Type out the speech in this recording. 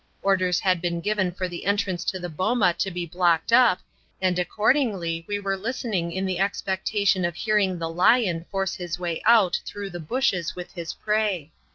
Orders had been given for the entrance to the boma to be blocked up, and accordingly we were listening in the expectation of hearing the lion force his way out through the bushes with his prey.